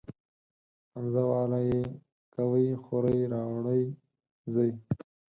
همزه واله ئ کوئ خورئ راوړئ ځئ